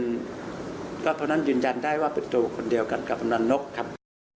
เพราะฉะนั้นยืนยันได้ว่าเป็นตัวคนเดียวกันกับกำนันนกครับ